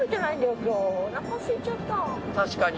確かに。